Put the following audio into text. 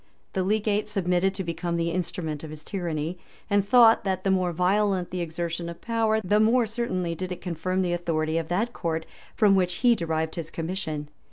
The legate submitted to become the instrument of his tyranny; and thought, that the more violent the exertion of power, the more certainly did it confirm the authority of that court from which he derived his commission.